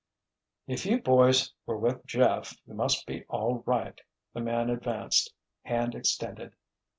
"If you boys were with Jeff you must be all right," the man advanced, hand extended.